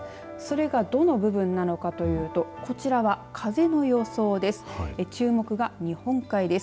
それがどの部分なのかというとこちらは風の予想です。